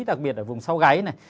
đặc biệt là vùng sau gáy này